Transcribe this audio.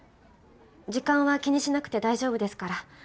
時間は気にしなくて大丈夫ですから。